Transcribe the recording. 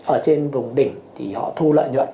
ở trên vùng đỉnh thì họ thu lợi nhuận